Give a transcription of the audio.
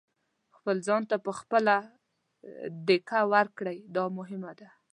خپل ځان ته په خپله دېکه ورکړئ دا مهم دی.